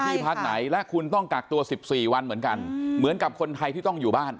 พักไหนและคุณต้องกักตัว๑๔วันเหมือนกันเหมือนกับคนไทยที่ต้องอยู่บ้าน